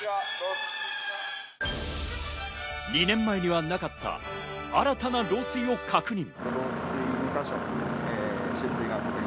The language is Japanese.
２年前にはなかった新たな漏水を確認。